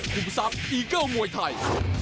ทรัพย์อีเกิ้ลมวยไทย